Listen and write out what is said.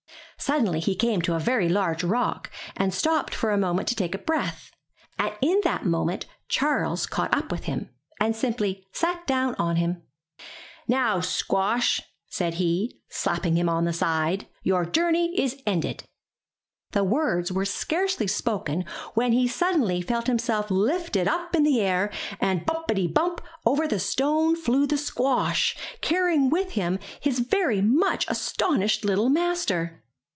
Suddenly he came to a very large rock, and stopped for a moment to take breath, and in that moment Charles caught up with him, and simply sat down on him, "Now, squash,'* said he, slapping him on the side, '*your journey is ended." The words were scarcely spoken when he suddenly felt himself lifted up in the air, and bumpity, bump, over the stone flew the squash, carrying with him his very much astonished little master!